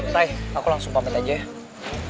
kundalina akhirnya sampai juga